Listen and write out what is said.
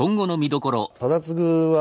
忠次はね